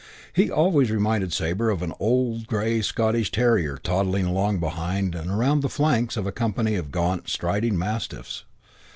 He always reminded Sabre of a grey old Scotch terrier toddling along behind and around the flanks of a company of gaunt, striding mastiffs.